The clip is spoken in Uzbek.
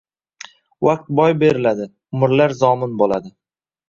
Vaqt boy beriladi, umrlar zomin bo‘ladi.